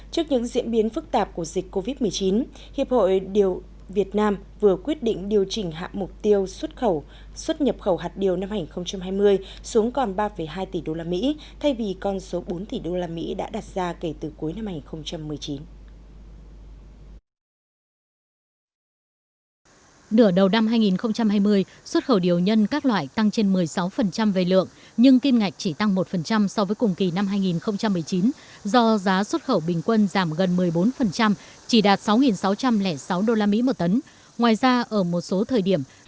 trước những diễn biến phức tạp của dịch covid một mươi chín hiệp hội điều việt nam vừa quyết định điều chỉnh hạ mục tiêu xuất nhập khẩu hạt điều năm hai nghìn hai mươi xuống còn ba hai tỷ usd thay vì con số bốn tỷ usd đã đặt ra kể từ cuối năm hai nghìn một mươi chín